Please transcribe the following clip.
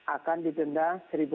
akan didenda rp satu